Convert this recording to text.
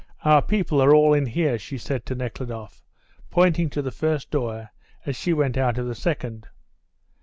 Our people are all in here," she said to Nekhludoff, pointing to the first door as she went out of the second.